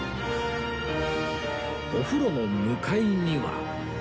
お風呂の向かいには